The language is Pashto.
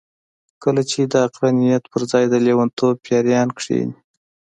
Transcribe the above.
کله چې د عقلانيت پر ځای د لېونتوب پېريان کېني.